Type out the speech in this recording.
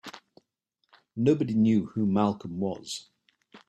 Nobody knew who Malcolm was.